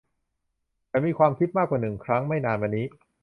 ฉันมีความคิดมากกว่าหนึ่งครั้งไม่นานมานี้